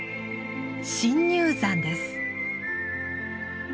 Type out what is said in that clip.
深入山です。